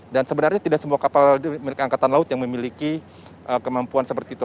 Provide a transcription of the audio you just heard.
dan sebenarnya tidak semua kapal milik angkatan laut yang memiliki kemampuan seperti itu